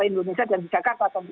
indonesia dan jakarta